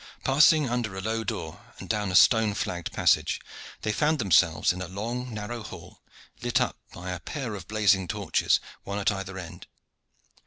Passing under a low door, and down a stone flagged passage, they found themselves in a long narrow hall lit up by a pair of blazing torches, one at either end.